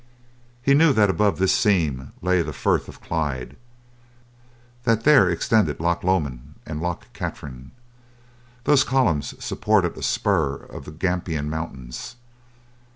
He knew that above this seam lay the Firth of Clyde, that there extended Loch Lomond and Loch Katrine. Those columns supported a spur of the Grampian mountains.